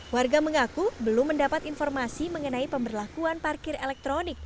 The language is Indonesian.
warga mengaku belum mendapat informasi mengenai pemberlakuan parkir elektronik